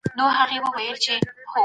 ډيموکراټيک نظامونه به شخصي آزادۍ ساتي.